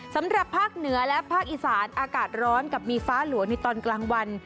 สำหรับภาคเหนือและภาคอีสานอากาศร้อนกับมีฟ้าหลวงในตอนกลางวัน